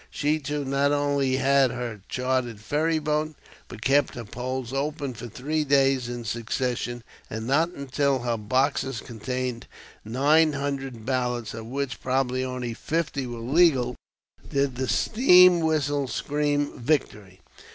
She, too, not only had her chartered ferry boat, but kept her polls open for three days in succession, and not until her boxes contained nine hundred ballots (of which probably only fifty were legal) did the steam whistle scream victory!